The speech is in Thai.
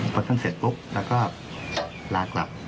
พอท่านเสร็จปุ๊บแล้วก็ลากลับ